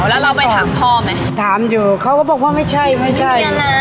แล้วเราไปถามพ่อไหมถามอยู่เขาก็บอกว่าไม่ใช่ไม่ใช่